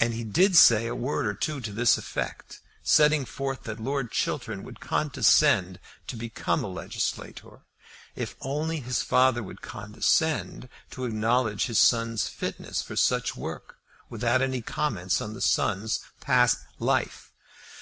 And he did say a word or two to this effect, setting forth that Lord Chiltern would condescend to become a legislator, if only his father would condescend to acknowledge his son's fitness for such work without any comments on the son's past life.